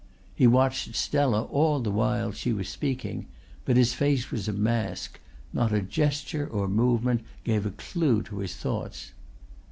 He watched Stella all the while she was speaking, but his face was a mask, not a gesture or movement gave a clue to his thoughts.